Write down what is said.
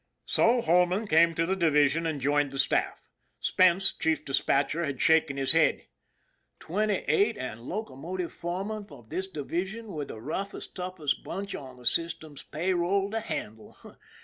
So Holman came to the division and joined the staff. Spence, chief dispatcher, had shaken his head. " Twenty eight and locomotive foreman of this divi sion with the roughest, toughest bunch on the system's pay roll to handle